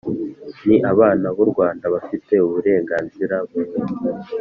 ni abana b’u rwanda bafite uburenganzira bumwe.